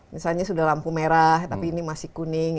misalnya sudah lampu merah tapi ini masih kuning